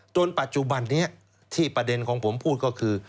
จนปัจจุบันนี้ที่ประเด็นของผมพูดก็คือ